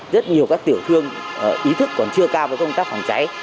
rất nhiều các tiểu thương ý thức còn chưa cao với công tác phòng cháy